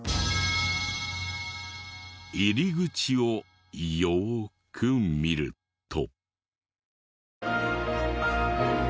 入り口をよーく見ると。